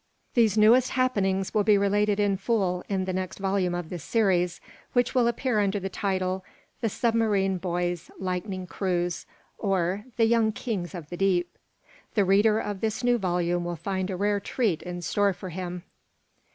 These newest happenings will be related in full in the next volume of this series, which will appear under the title: "The Submarine Boys' Lightning Cruise; Or, The Young Kings of the Deep." The reader of this new volume will find a rare treat in store for him!